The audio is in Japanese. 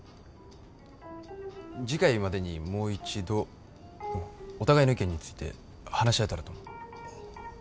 次回までにもう一度お互いの意見について話し合えたらと思う。